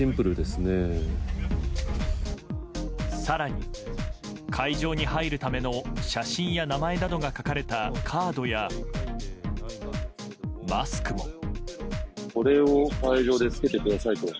更に会場に入るための写真や名前などが書かれたカードやマスクも。